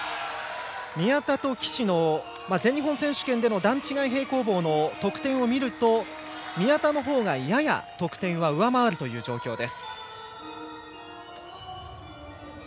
宮田と岸の、全日本選手権での段違い平行棒の得点を見ると、宮田の方がやや得点は上回る状況です。